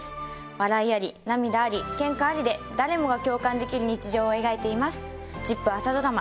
笑いあり涙ありケンカありで誰もが共感できる日常を描いています。